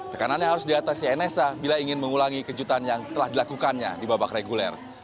tekanannya harus diatasi nsa bila ingin mengulangi kejutan yang telah dilakukannya di babak reguler